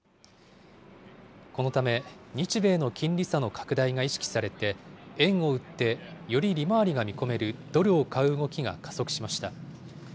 このため、日米の金利差の拡大が意識されて、円を売ってより利回りが見込めるドルを買う動きが加速しました。